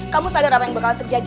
kamu sadar apa yang bakal terjadi